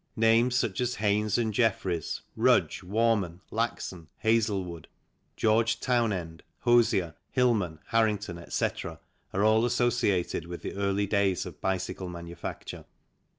Names such as Haynes and Jeffries, Rudge, Warman, Laxon, Hazlewood, George Townend, Hosier, Hillman, Harrington, etc., are all associated with the early days of bicycle manufacture.